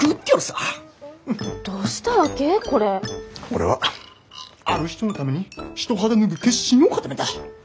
俺はある人のために一肌脱ぐ決心を固めた。